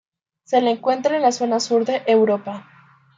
Se la encuentra en la zona sur de Europa.